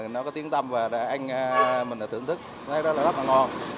nó có tiếng tâm và anh mình đã thưởng thức thấy rất là ngon